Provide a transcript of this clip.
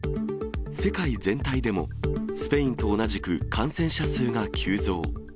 世界全体でも、スペインと同じく感染者数が急増。